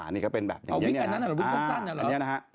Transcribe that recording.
นี้ก็เป็นแบบวที่นี่